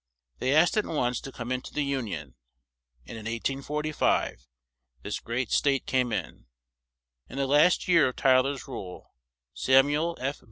They asked at once to come in to the Un ion, and in 1845 this great state came in. In the last year of Ty ler's rule Sam u el F.